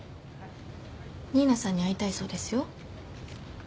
新名さんに会いたいそうですよ。